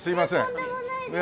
とんでもないです。